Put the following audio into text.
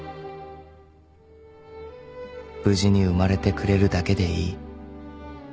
［無事に生まれてくれるだけでいい］